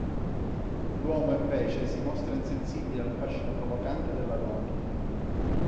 L'uomo, invece, si mostra insensibile al fascino provocante della donna.